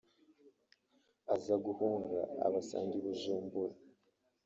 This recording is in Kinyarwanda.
aza guhunga abasanga i Bujumbura